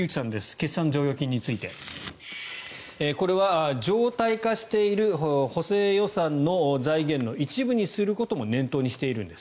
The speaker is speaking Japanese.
決算剰余金についてこれは常態化している補正予算の財源の一部にすることも念頭にしているんです。